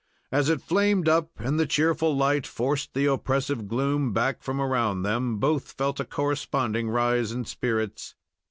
As it flamed up and the cheerful light forced the oppressive gloom back from around them, both felt a corresponding rise in spirits.